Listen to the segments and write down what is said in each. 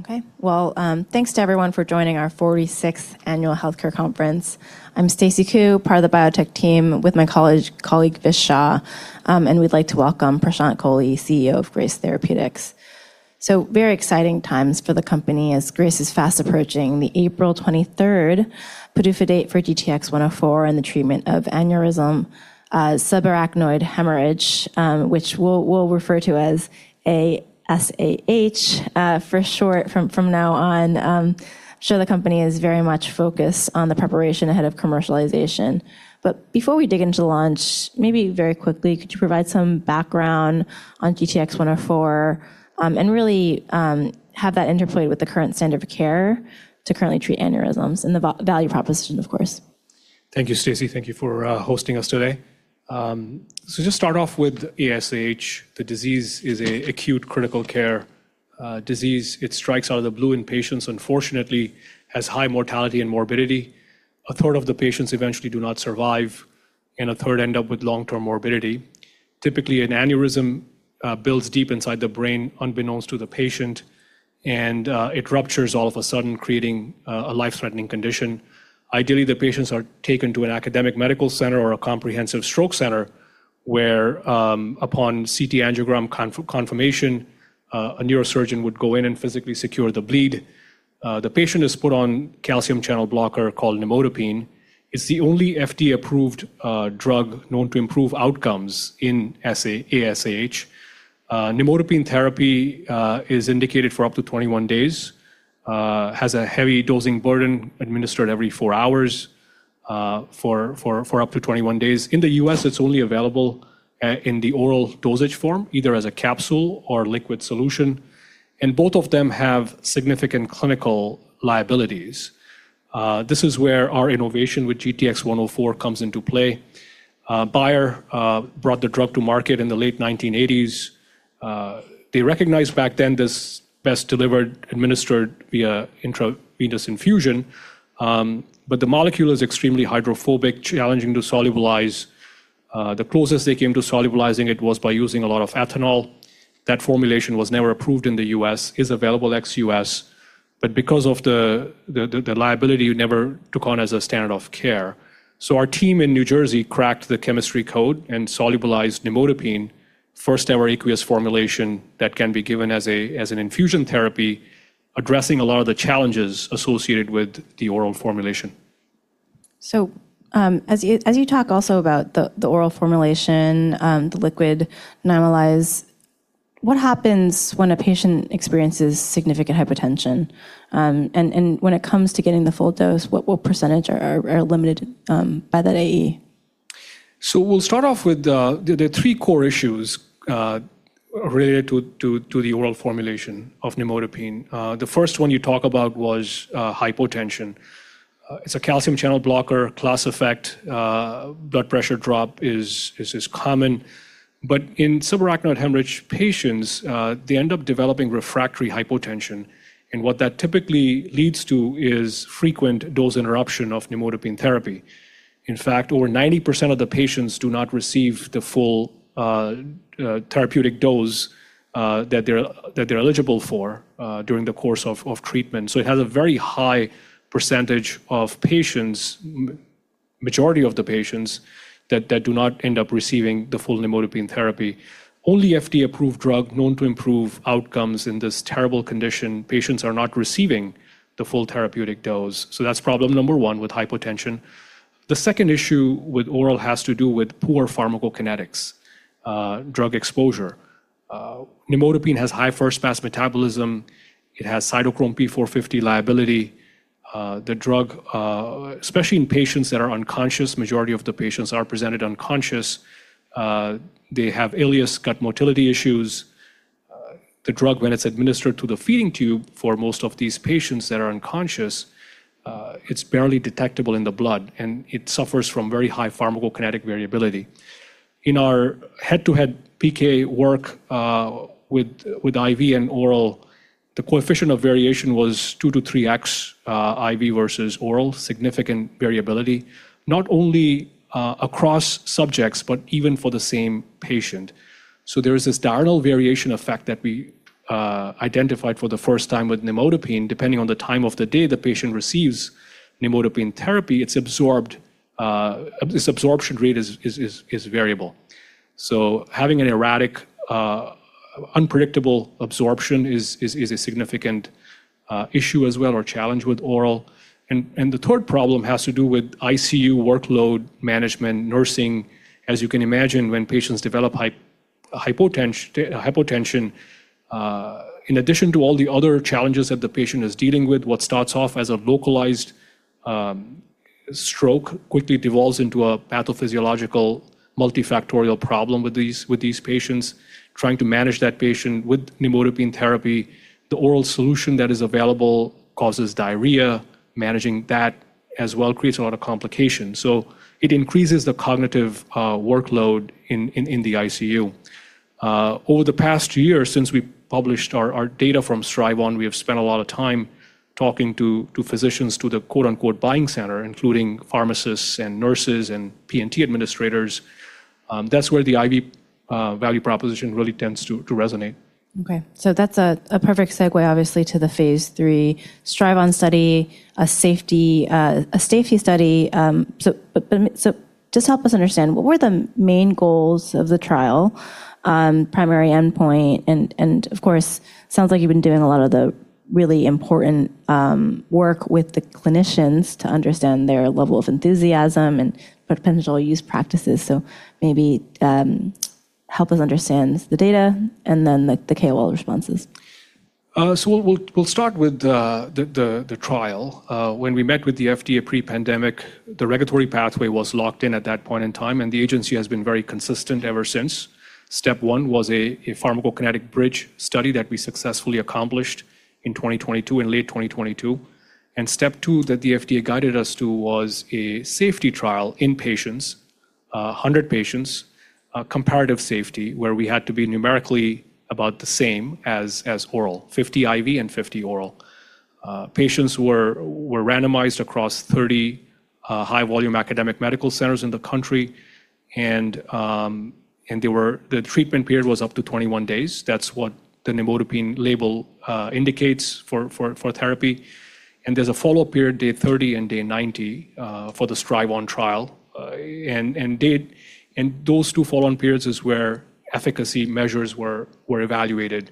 Okay. Well, thanks to everyone for joining our 46th Annual Healthcare Conference. I'm Stacy Ku, part of the biotech team, with my colleague, Vish Shah, we'd like to welcome Prashant Kohli, CEO of Grace Therapeutics. Very exciting times for the company as Grace is fast approaching the April 23rd PDUFA date for GTx-104 and the treatment of aneurysm, subarachnoid hemorrhage, which we'll refer to as aSAH for short from now on, show the company is very much focused on the preparation ahead of commercialization. Before we dig into launch, maybe very quickly, could you provide some background on GTx-104, and really, have that interplay with the current standard of care to currently treat aneurysms and the value proposition, of course. Thank you, Stacy. Thank you for hosting us today. Just start off with aSAH. The disease is a acute critical care disease. It strikes out of the blue in patients, unfortunately, has high mortality and morbidity. A third of the patients eventually do not survive, and a third end up with long-term morbidity. Typically, an aneurysm builds deep inside the brain unbeknownst to the patient, and it ruptures all of a sudden, creating a life-threatening condition. Ideally, the patients are taken to an academic medical center or a comprehensive stroke center where upon CT angiogram confirmation, a neurosurgeon would go in and physically secure the bleed. The patient is put on calcium channel blocker called nimodipine. It's the only FDA-approved drug known to improve outcomes in aSAH. Nimodipine therapy is indicated for up to 21 days, has a heavy dosing burden administered every four hours, for up to 21 days. In the U.S., it's only available in the oral dosage form, either as a capsule or liquid solution, and both of them have significant clinical liabilities. This is where our innovation with GTx-104 comes into play. Bayer brought the drug to market in the late 1980s. They recognized back then this best delivered, administered via intravenous infusion, but the molecule is extremely hydrophobic, challenging to solubilize. The closest they came to solubilizing it was by using a lot of ethanol. That formulation was never approved in the U.S., is available ex-U.S. Because of the liability, you never took on as a standard of care. Our team in New Jersey cracked the chemistry code and solubilized nimodipine, first-ever aqueous formulation that can be given as an infusion therapy, addressing a lot of the challenges associated with the oral formulation. As you talk also about the oral formulation, the liquid Nymalize, what happens when a patient experiences significant hypotension? And when it comes to getting the full dose, what percentage are limited by that AE? We'll start off with the three core issues related to the oral formulation of nimodipine. The first one you talk about was hypotension. It's a calcium channel blocker, class effect, blood pressure drop is common. In subarachnoid hemorrhage patients, they end up developing refractory hypotension, and what that typically leads to is frequent dose interruption of nimodipine therapy. In fact, over 90% of the patients do not receive the full therapeutic dose that they're eligible for during the course of treatment. It has a very high percentage of patients, majority of the patients that do not end up receiving the full nimodipine therapy. Only FDA-approved drug known to improve outcomes in this terrible condition, patients are not receiving the full therapeutic dose. That's problem number one with hypotension. The second issue with oral has to do with poor pharmacokinetics, drug exposure. Nimodipine has high first pass metabolism. It has cytochrome P450 liability. The drug, especially in patients that are unconscious, majority of the patients are presented unconscious, they have ileus gut motility issues. The drug, when it's administered to the feeding tube for most of these patients that are unconscious, it's barely detectable in the blood, and it suffers from very high pharmacokinetic variability. In our head-to-head PK work, with IV and oral, the coefficient of variation was 2x-3x, IV versus oral, significant variability, not only across subjects, but even for the same patient. There is this diurnal variation effect that we identified for the first time with nimodipine. Depending on the time of the day the patient receives nimodipine therapy, it's absorbed, its absorption rate is variable. Having an erratic, unpredictable absorption is a significant issue as well or challenge with oral. The third problem has to do with ICU workload management, nursing. As you can imagine, when patients develop hypotension, in addition to all the other challenges that the patient is dealing with, what starts off as a localized stroke quickly devolves into a pathophysiological multifactorial problem with these patients. Trying to manage that patient with nimodipine therapy, the oral solution that is available causes diarrhea. Managing that as well creates a lot of complications. It increases the cognitive workload in the ICU. Over the past year, since we published our data from STRIVE-ON, we have spent a lot of time talking to physicians, to the quote-unquote "buying center," including pharmacists and nurses and P&T administrators. That's where the IV value proposition really tends to resonate. Okay. That's a perfect segue obviously to the phase III STRIVE-ON study, a safety study. But just help us understand, what were the main goals of the trial, primary endpoint? Of course, sounds like you've been doing a lot of the really important work with the clinicians to understand their level of enthusiasm and potential use practices. Maybe, help us understand the data and then the KOL responses. We'll start with the trial. When we met with the FDA pre-pandemic, the regulatory pathway was locked in at that point in time, and the agency has been very consistent ever since. Step one was a pharmacokinetic bridge study that we successfully accomplished in 2022, in late 2022. Step two that the FDA guided us to was a safety trial in patients, 100 patients, a comparative safety where we had to be numerically about the same as oral, 50 IV and 50 oral. Patients were randomized across 30 high volume academic medical centers in the country and the treatment period was up to 21 days. That's what the nimodipine label indicates for therapy. There's a follow-up period, day 30 and day 90, for the STRIVE-ON trial. Those two follow-on periods is where efficacy measures were evaluated.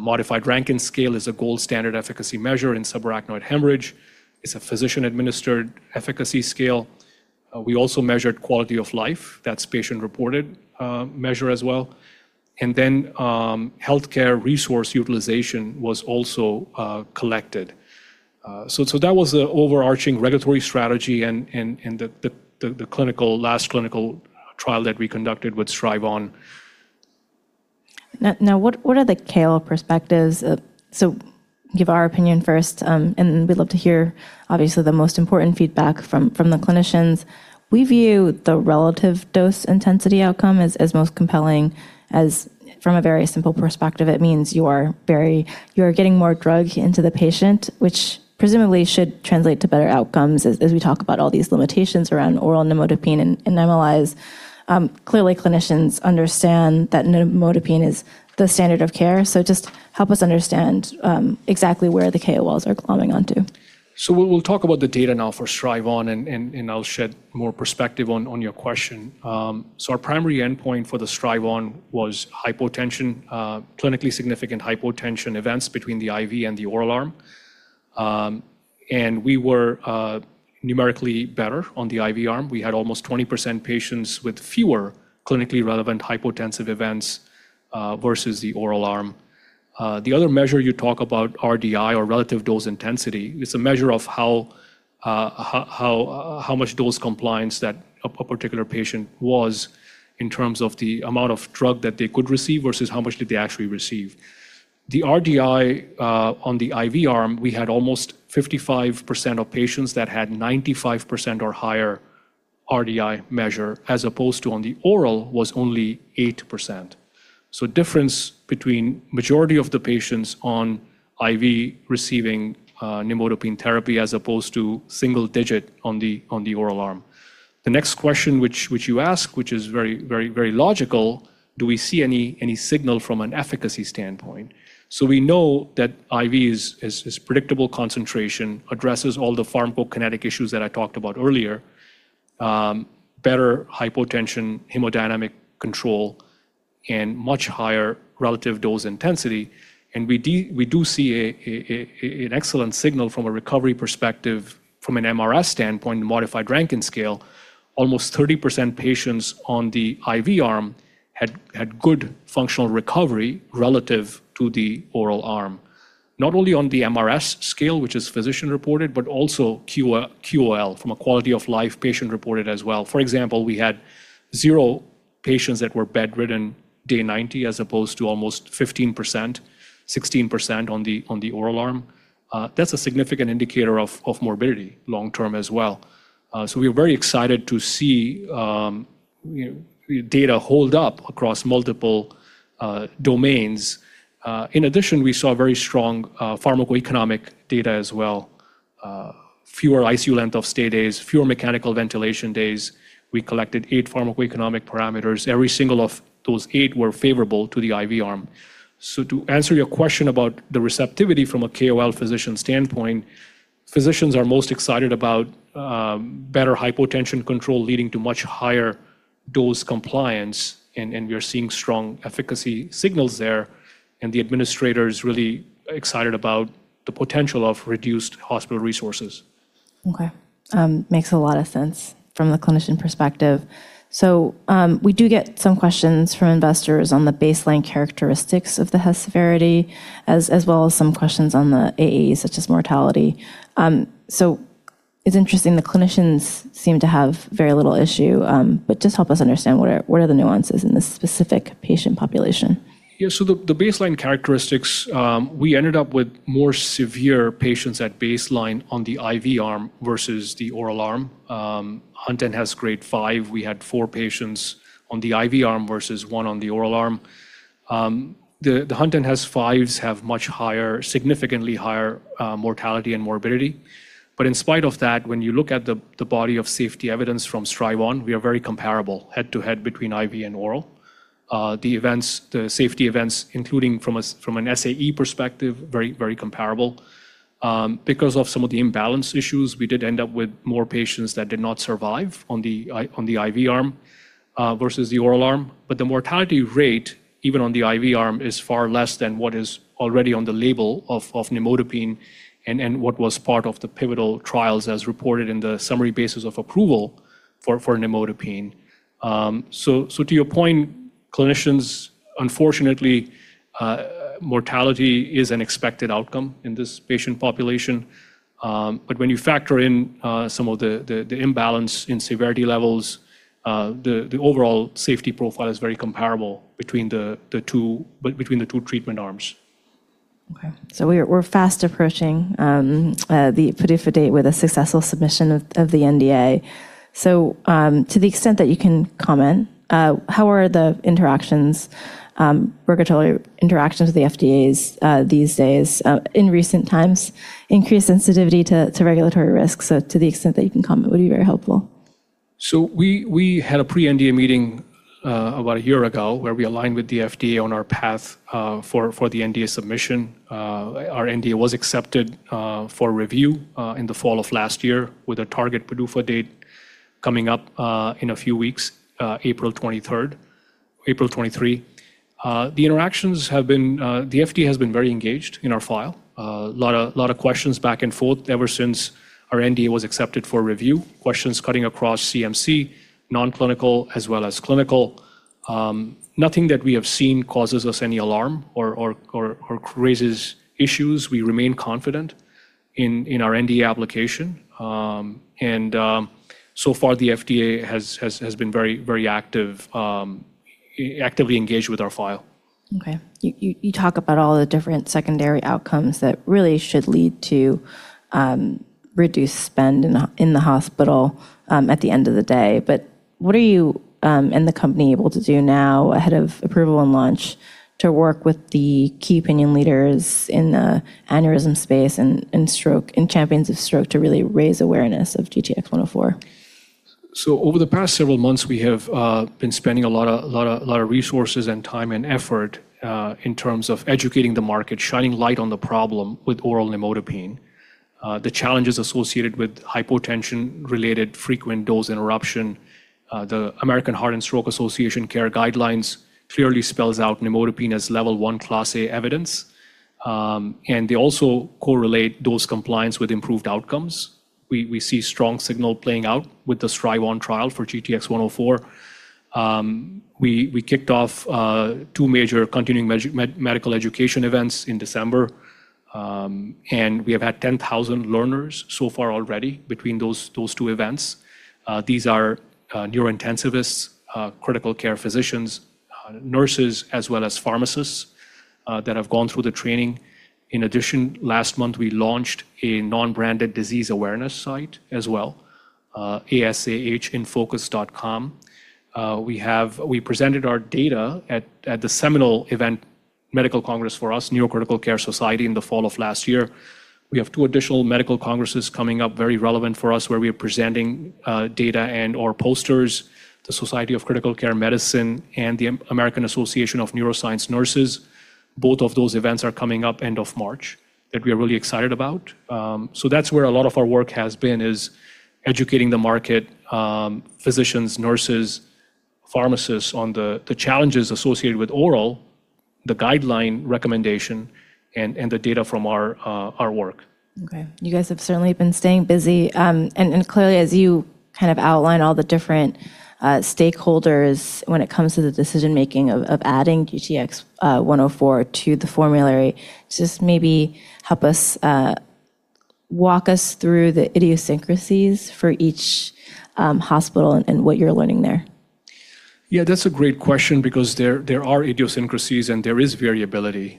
Modified Rankin Scale is a gold standard efficacy measure in subarachnoid hemorrhage. It's a physician-administered efficacy scale. We also measured quality of life. That's patient-reported measure as well. Then, healthcare resource utilization was also collected. That was the overarching regulatory strategy and the last clinical trial that we conducted with STRIVE-ON. Now, what are the KOL perspectives? Give our opinion first, and we'd love to hear obviously the most important feedback from the clinicians. We view the relative dose intensity outcome as most compelling, as from a very simple perspective, it means you're getting more drug into the patient, which presumably should translate to better outcomes as we talk about all these limitations around oral nimodipine and Nymalize. Clearly clinicians understand that nimodipine is the standard of care. Just help us understand exactly where the KOLs are glomming onto. We'll talk about the data now for STRIVE-ON and I'll shed more perspective on your question. Our primary endpoint for the STRIVE-ON was hypotension, clinically significant hypotension events between the IV and the oral arm. We were numerically better on the IV arm. We had almost 20% patients with fewer clinically relevant hypotensive events versus the oral arm. The other measure you talk about, RDI or relative dose intensity, is a measure of how much dose compliance that a particular patient was in terms of the amount of drug that they could receive versus how much did they actually receive. The RDI on the IV arm, we had almost 55% of patients that had 95% or higher RDI measure as opposed to on the oral was only 8%. Difference between majority of the patients on IV receiving nimodipine therapy as opposed to single digit on the oral arm. The next question which you ask, which is very, very, very logical, do we see any signal from an efficacy standpoint? We know that IV is predictable concentration, addresses all the pharmacokinetic issues that I talked about earlier, better hypotension, hemodynamic control, and much higher relative dose intensity. We do see an excellent signal from a recovery perspective from an mRS standpoint, Modified Rankin Scale. Almost 30% patients on the IV arm had good functional recovery relative to the oral arm. Not only on the mRS scale, which is physician-reported, but also QOL from a quality of life patient-reported as well. For example, we had zero patients that were bedridden day 90 as opposed to almost 15%, 16% on the oral arm. That's a significant indicator of morbidity long term as well. We're very excited to see, you know, data hold up across multiple domains. In addition, we saw very strong pharmacoeconomic data as well. Fewer ICU length of stay days, fewer mechanical ventilation days. We collected eight pharmacoeconomic parameters. Every single of those eight were favorable to the IV arm. To answer your question about the receptivity from a KOL physician standpoint, physicians are most excited about better hypotension control leading to much higher dose compliance, and we are seeing strong efficacy signals there. The administrator is really excited about the potential of reduced hospital resources. Okay. makes a lot of sense from the clinician perspective. we do get some questions from investors on the baseline characteristics of the Hess severity as well as some questions on the AEs such as mortality. it's interesting the clinicians seem to have very little issue, but just help us understand what are the nuances in this specific patient population? The baseline characteristics, we ended up with more severe patients at baseline on the IV arm versus the oral arm. Hunt and Hess Grade V, we had four patients on the IV arm versus one on the oral arm. The Hunt and Hess Vs have much higher, significantly higher, mortality and morbidity. In spite of that, when you look at the body of safety evidence from STRIVE-ON, we are very comparable head-to-head between IV and oral. The events, the safety events, including from an SAE perspective, very, very comparable. Because of some of the imbalance issues, we did end up with more patients that did not survive on the IV arm versus the oral arm. The mortality rate, even on the IV arm, is far less than what is already on the label of nimodipine and what was part of the pivotal trials as reported in the summary basis of approval for nimodipine. To your point, clinicians, unfortunately, mortality is an expected outcome in this patient population. When you factor in some of the imbalance in severity levels, the overall safety profile is very comparable between the two treatment arms. Okay. We're fast approaching the PDUFA date with a successful submission of the NDA. To the extent that you can comment, how are the interactions, regulatory interactions with the FDA, these days, in recent times, increased sensitivity to regulatory risks, to the extent that you can comment would be very helpful. We had a pre-NDA meeting, about one year ago where we aligned with the FDA on our path for the NDA submission. Our NDA was accepted for review in the fall of last year with a target PDUFA date coming up in a few weeks, April 23rd. The interactions have been, the FDA has been very engaged in our file. A lot of questions back and forth ever since our NDA was accepted for review. Questions cutting across CMC, non-clinical, as well as clinical. Nothing that we have seen causes us any alarm or raises issues. We remain confident in our NDA application. And so far the FDA has been very active, actively engaged with our file. Okay. You talk about all the different secondary outcomes that really should lead to reduced spend in the hospital at the end of the day. What are you and the company able to do now ahead of approval and launch to work with the key opinion leaders in the aneurysm space and stroke, and champions of stroke to really raise awareness of GTx-104? Over the past several months, we have been spending a lot of resources and time and effort in terms of educating the market, shining light on the problem with oral nimodipine, the challenges associated with hypotension-related frequent dose interruption. The American Heart Stroke Association care guidelines clearly spells out nimodipine as Level I Class A evidence. They also correlate dose compliance with improved outcomes. We see strong signal playing out with the STRIVE-ON trial for GTx-104. We kicked off two major continuing medical education events in December. We have had 10,000 learners so far already between those two events. These are neurointensivists, critical care physicians, nurses, as well as pharmacists that have gone through the training. In addition, last month, we launched a non-branded disease awareness site as well, asahinfocus.com. We presented our data at the seminal event medical congress for us, Neurocritical Care Society, in the fall of last year. We have two additional medical congresses coming up, very relevant for us, where we are presenting data and/or posters, the Society of Critical Care Medicine and the American Association of Neuroscience Nurses. Both of those events are coming up end of March that we are really excited about. That's where a lot of our work has been, is educating the market, physicians, nurses, pharmacists on the challenges associated with oral, the guideline recommendation, and the data from our work. Okay. You guys have certainly been staying busy. Clearly, as you kind of outline all the different stakeholders when it comes to the decision-making of adding GTx-104 to the formulary, just maybe help us walk us through the idiosyncrasies for each hospital and what you're learning there. Yeah, that's a great question because there are idiosyncrasies, and there is variability.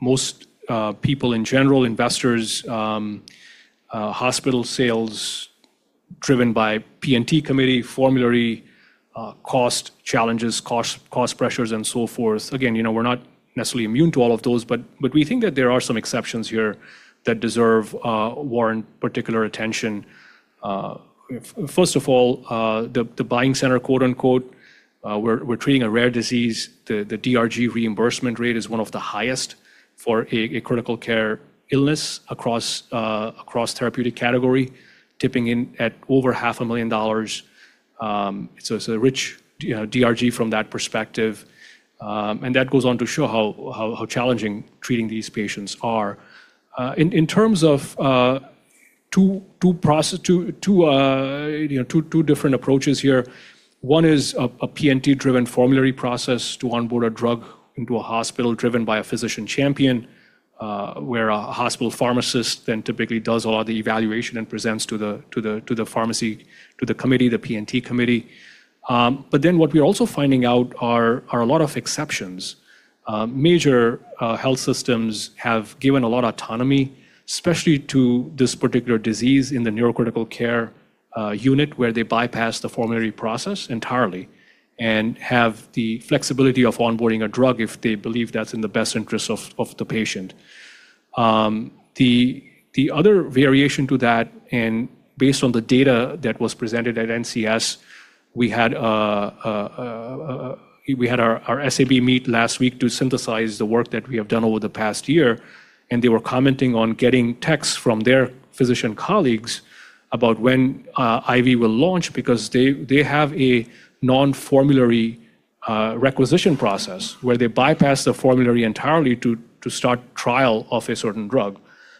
Most people in general, investors, hospital sales driven by P&T committee, formulary, cost challenges, cost pressures, and so forth. You know, we're not necessarily immune to all of those, but we think that there are some exceptions here that deserve, warrant particular attention. First of all, the buying center, quote-unquote, we're treating a rare disease. The DRG reimbursement rate is one of the highest for a critical care illness across therapeutic category, tipping in at over half a million dollars. So it's a rich, you know, DRG from that perspective, and that goes on to show how challenging treating these patients are. In terms of, you know, two different approaches here, one is a P&T-driven formulary process to onboard a drug into a hospital driven by a physician champion, where a hospital pharmacist then typically does a lot of the evaluation and presents to the pharmacy, to the committee, the P&T committee. What we're also finding out are a lot of exceptions. Major health systems have given a lot of autonomy, especially to this particular disease in the neurocritical care unit where they bypass the formulary process entirely and have the flexibility of onboarding a drug if they believe that's in the best interest of the patient. The other variation to that, and based on the data that was presented at NCS, we had our SAB meet last week to synthesize the work that we have done over the past year, and they were commenting on getting texts from their physician colleagues about when IV will launch because they have a non-formulary requisition process where they bypass the formulary entirely to start trial of a certain drug.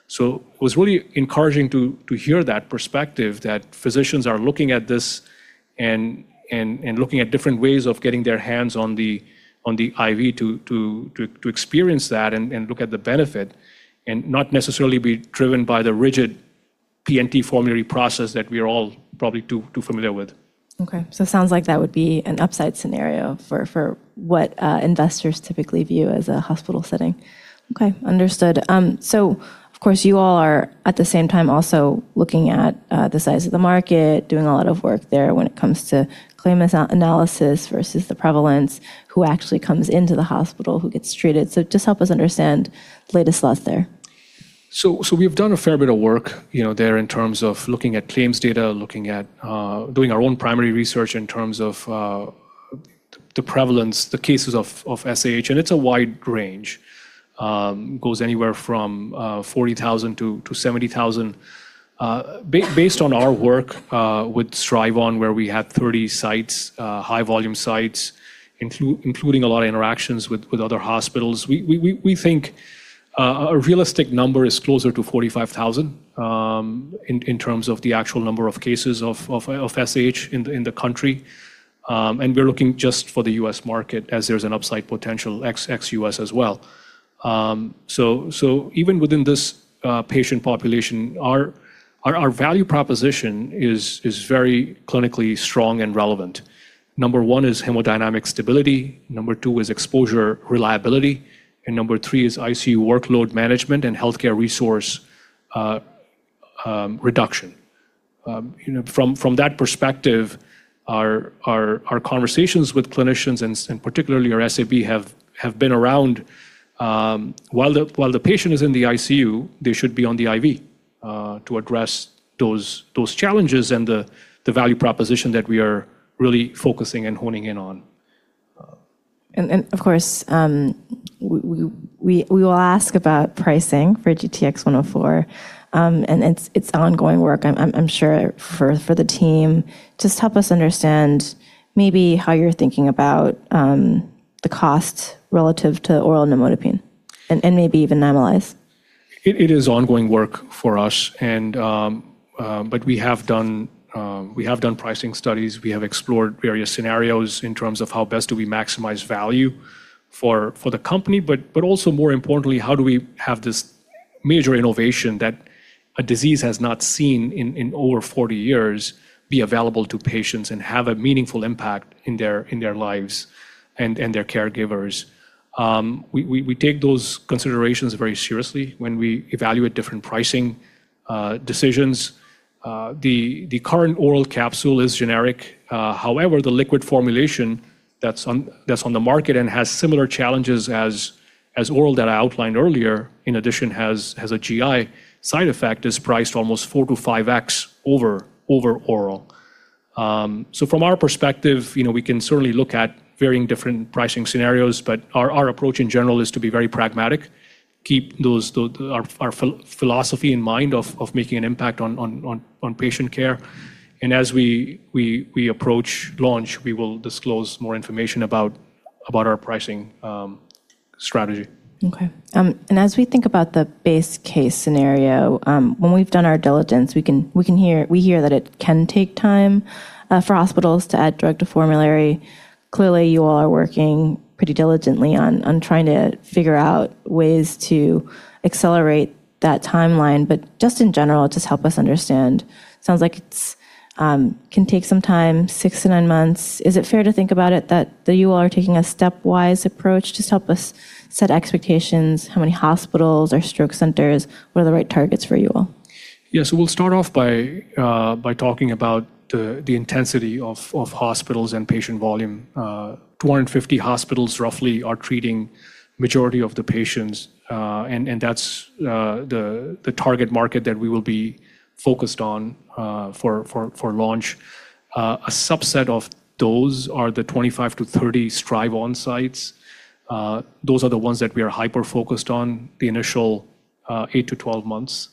It was really encouraging to hear that perspective that physicians are looking at this and looking at different ways of getting their hands on the IV to experience that and look at the benefit and not necessarily be driven by the rigid P&T formulary process that we are all probably too familiar with. It sounds like that would be an upside scenario for what investors typically view as a hospital setting. Understood. Of course, you all are at the same time also looking at the size of the market, doing a lot of work there when it comes to claim analysis versus the prevalence, who actually comes into the hospital, who gets treated. Just help us understand the latest thoughts there. We've done a fair bit of work, you know, there in terms of looking at claims data, looking at, doing our own primary research in terms of the prevalence, the cases of aSAH, and it's a wide range. goes anywhere from 40,000-70,000. Based on our work with STRIVE-ON where we had 30 sites, high volume sites, including a lot of interactions with other hospitals, we think a realistic number is closer to 45,000 in terms of the actual number of cases of aSAH in the country. We're looking just for the U.S. market as there's an upside potential ex-U.S. as well. Even within this patient population, our value proposition is very clinically strong and relevant. Number one is hemodynamic stability, number two is exposure reliability, and number three is ICU workload management and healthcare resource reduction. You know, from that perspective, our conversations with clinicians and particularly our SAB have been around while the patient is in the ICU, they should be on the IV to address those challenges and the value proposition that we are really focusing and honing in on. Of course, we will ask about pricing for GTx-104, and it's ongoing work I'm sure for the team. Just help us understand maybe how you're thinking about the cost relative to oral nimodipine and maybe even Nymalize. It is ongoing work for us. We have done pricing studies. We have explored various scenarios in terms of how best do we maximize value for the company, also more importantly, how do we have this major innovation that a disease has not seen in over 40 years be available to patients and have a meaningful impact in their lives and their caregivers. We take those considerations very seriously when we evaluate different pricing decisions. The current oral capsule is generic. However, the liquid formulation that's on the market and has similar challenges as oral that I outlined earlier, in addition has a GI side effect, is priced almost 4x-5x over oral. From our perspective, you know, we can certainly look at varying different pricing scenarios, but our approach in general is to be very pragmatic, keep our philosophy in mind of making an impact on patient care. As we approach launch, we will disclose more information about our pricing strategy. As we think about the base case scenario, when we've done our diligence, we hear that it can take time for hospitals to add drug to formulary. Clearly, you all are working pretty diligently on trying to figure out ways to accelerate that timeline. Just in general, just help us understand. Sounds like it's can take some time, six-nine months. Is it fair to think about it that you all are taking a stepwise approach? Just help us set expectations. How many hospitals or stroke centers? What are the right targets for you all? Yeah. We'll start off by talking about the intensity of hospitals and patient volume. 250 hospitals roughly are treating majority of the patients, and that's the target market that we will be focused on for launch. A subset of those are the 25-30 STRIVE-ON sites. Those are the ones that we are hyper-focused on the initial eight-12 months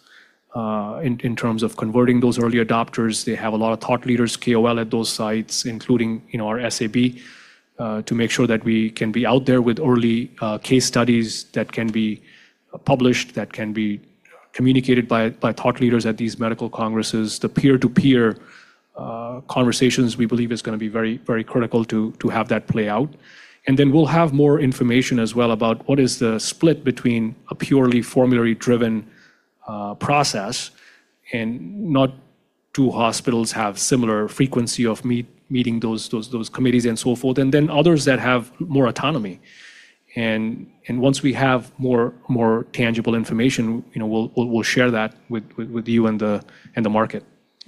in terms of converting those early adopters. They have a lot of thought leaders, KOL at those sites, including, you know, our SAB, to make sure that we can be out there with early case studies that can be published, that can be communicated by thought leaders at these medical congresses. The peer-to-peer conversations we believe is gonna be very, very critical to have that play out. Then we'll have more information as well about what is the split between a purely formulary-driven process, and not two hospitals have similar frequency of meeting those committees and so forth, and then others that have more autonomy. Once we have more tangible information, you know, we'll share that with you and the market.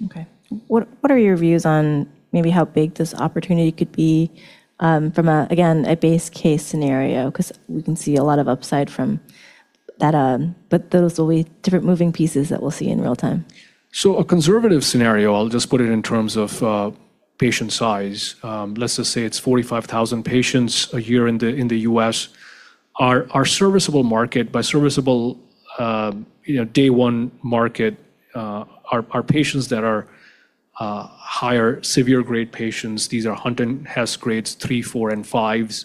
Okay. What are your views on maybe how big this opportunity could be, from a, again, a base case scenario? We can see a lot of upside from that. Those will be different moving pieces that we'll see in real time. A conservative scenario, I'll just put it in terms of patient size, let's just say it's 45,000 patients a year in the, in the U.S. Our, our serviceable market, by serviceable, you know, day one market, are patients that are higher severe grade patients. These are Hunt and Hess Grades III, IV, and V.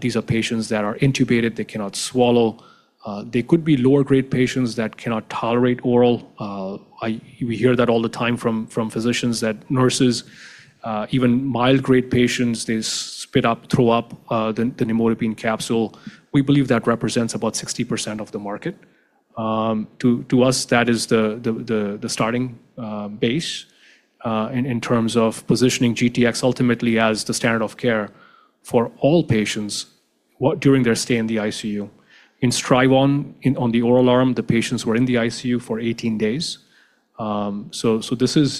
These are patients that are intubated, they cannot swallow. We hear that all the time from physicians that nurses, even mild grade patients, they spit up, throw up, the nimodipine capsule. We believe that represents about 60% of the market. To us, that is the starting base in terms of positioning GTx ultimately as the standard of care for all patients during their stay in the ICU. In STRIVE-ON, on the oral arm, the patients were in the ICU for 18 days. This is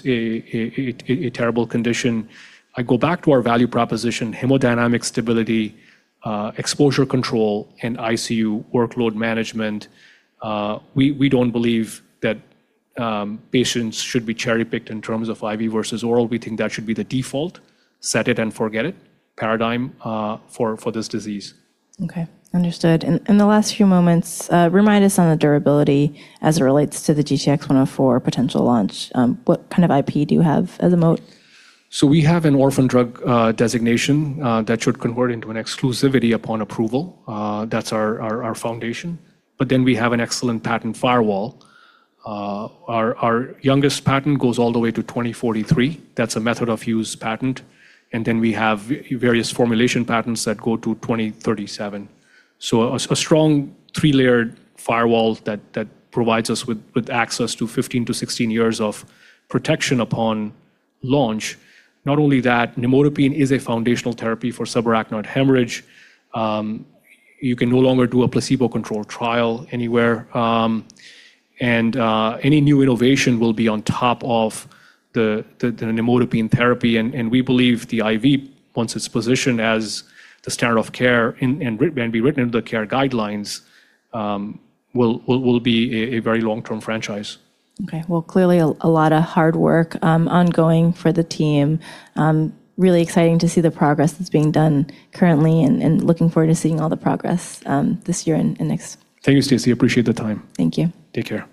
a terrible condition. I go back to our value proposition, hemodynamic stability, exposure control and ICU workload management. We don't believe that patients should be cherry-picked in terms of IV versus oral. We think that should be the default, set it and forget it paradigm for this disease. Okay. Understood. In the last few moments, remind us on the durability as it relates to the GTx-104 potential launch. What kind of IP do you have as a moat? We have an orphan drug designation that should convert into an exclusivity upon approval. That's our foundation. We have an excellent patent firewall. Our youngest patent goes all the way to 2043. That's a method of use patent. We have various formulation patents that go to 2037. A strong three-layered firewall that provides us with access to 15-16 years of protection upon launch. Not only that, nimodipine is a foundational therapy for subarachnoid hemorrhage. You can no longer do a placebo-controlled trial anywhere, and any new innovation will be on top of the nimodipine therapy. We believe the IV, once it's positioned as the standard of care and be written into the care guidelines, will be a very long-term franchise. Okay. Well, clearly a lot of hard work, ongoing for the team. Really exciting to see the progress that's being done currently and looking forward to seeing all the progress this year and next. Thank you, Stacy. I appreciate the time. Thank you. Take care.